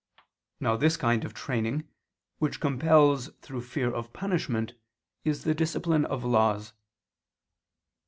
Now this kind of training, which compels through fear of punishment, is the discipline of laws.